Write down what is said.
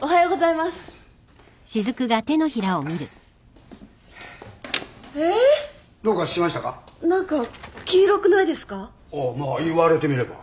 まあ言われてみれば。